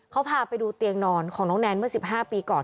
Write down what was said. เขาพาไปดูเตียงนอนของน้องแนนเมื่อ๑๕ปีก่อน